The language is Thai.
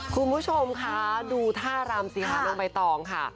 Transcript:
คุณผู้ชมค่ะดูท่ารำศิริษฐาลงใบต่องค่ะ